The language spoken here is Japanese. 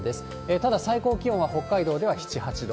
ただ、最高気温、北海道では７、８度。